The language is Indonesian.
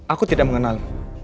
aku tidak mengenal